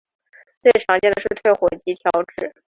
最常见的是退火及调质。